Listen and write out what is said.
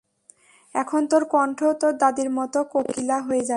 এখন তোর কন্ঠও তোর দাদীর মতো কোকিলা হয়ে যাবে।